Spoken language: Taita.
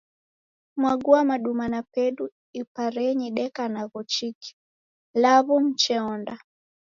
Mwagua maduma na pedu iparenyi deka nagho chiki? Law'u mucheonda.